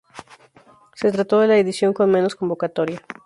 Se trató de la edición con menos convocatoria.